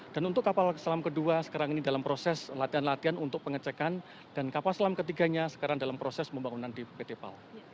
dan untuk kapal selam kedua sekarang ini dalam proses latihan latihan untuk pengecekan dan kapal selam ketiganya sekarang dalam proses pembangunan di pt pal